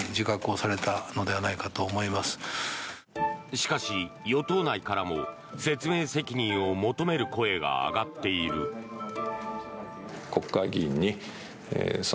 しかし、与党内からも説明責任を求める声が上がっている。